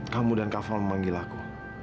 kamu dan kaful memanggil aku